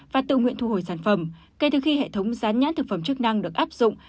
và tự nguyện thu hồi sản phẩm kể từ khi hệ thống gián nhãn thực phẩm chức năng được áp dụng